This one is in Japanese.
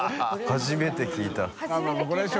初めて聞いた